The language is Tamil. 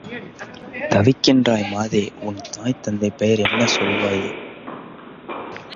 தவிக்கின்றாய் மாதே! உன் தாய் தந்தை பெயர் என்ன சொல்வாயே!